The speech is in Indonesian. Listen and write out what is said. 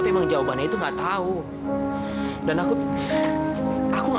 kau makan aja sama aku sekarang